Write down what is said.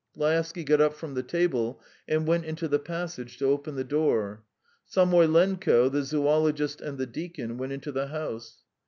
Laevsky got up from the table, and went into the passage to open the door. Samoylenko, the zoologist, and the deacon went into the house.